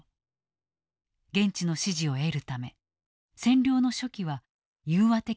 現地の支持を得るため占領の初期は融和的に統治を進めた。